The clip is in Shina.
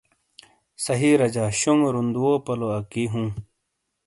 صحیح رجا شونگو روندو والو پلو اکی ہوں۔